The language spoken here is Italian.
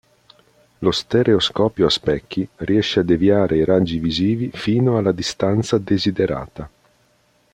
Lo stereoscopio a specchi riesce a deviare i raggi visivi fino alla distanza desiderata.